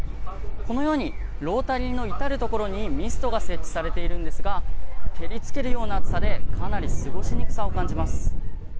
このようにロータリーの至るところにミストが設置されているんですが照りつけるような暑さでかなり過ごしにくさを感じます。